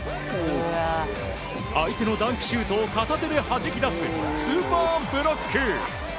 相手のダンクシュートを片手ではじき出すスーパーブロック！